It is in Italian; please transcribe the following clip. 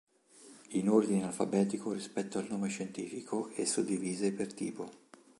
In ordine alfabetico rispetto al nome scientifico e suddivise per tipo.